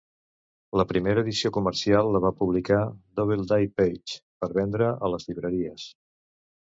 La primera edició comercial la va publicar Doubleday Page per vendre a les llibreries..